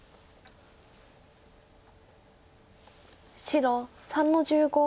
白３の十五。